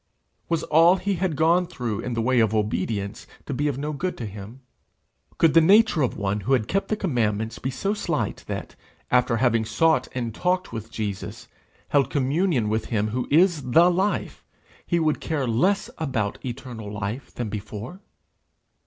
Was all he had gone through in the way of obedience to be of no good to him? Could the nature of one who had kept the commandments be so slight that, after having sought and talked with Jesus, held communion with him who is the Life, he would care less about eternal life than before?